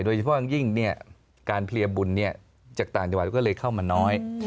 โดยเฉพาะอย่างยิ่งการเพลียบุญจากต่างจังหวัดก็เลยเข้ามาน้อย